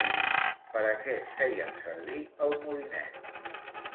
Per a què feien servir el molinet?